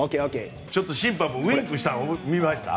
ちょっと審判がウインクしたのを見ました？